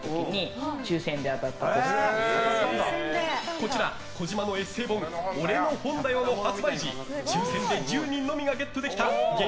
こちら、児嶋のエッセー本「俺の本だよ！！」の発売時抽選で１０人のみがゲットできた激